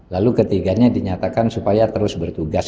lalu ketiganya dinyatakan supaya terus bertugas